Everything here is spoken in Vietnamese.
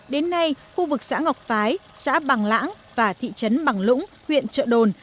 đến nay khu vực xã ngọc phái xã bằng lãng và thị trấn bằng lũng huyện trợ đồn